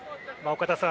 岡田さん